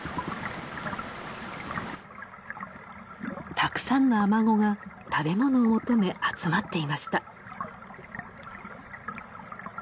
たくさんのアマゴが食べ物を求め集まっていました。